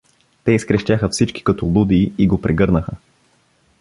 Те изкрещяха всички като луди и го прегърнаха.